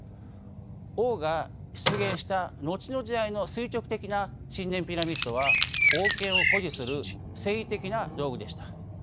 王が出現した後の時代の垂直的な神殿ピラミッドは王権を誇示する政治的な道具でした。